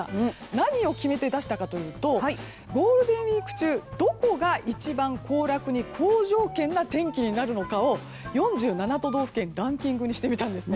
何を決めて出したかというとゴールデンウィーク中どこが一番行楽に好条件な天気になるのかを４７都道府県でランキングにしてみたんです。